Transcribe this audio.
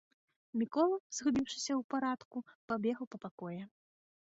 Мікола, згубіўшыся ў парадку, пабегаў па пакоі.